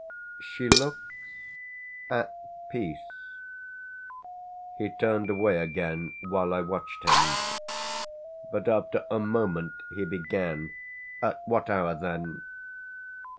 "She looks at peace." He turned away again, while I watched him; but after a moment he began: "At what hour, then